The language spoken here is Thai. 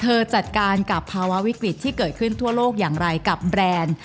จัดการกับภาวะวิกฤตที่เกิดขึ้นทั่วโลกอย่างไรกับแบรนด์